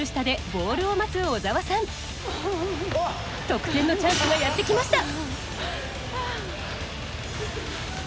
得点のチャンスがやって来ました！